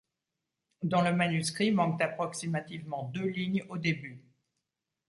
Dans le manuscrit manquent approximativement deux lignes au début.